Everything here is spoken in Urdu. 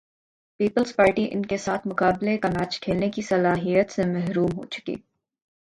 پیپلز پارٹی ان کے ساتھ مقابلے کا میچ کھیلنے کی صلاحیت سے محروم ہو چکی۔